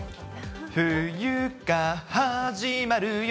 冬が始まるよ。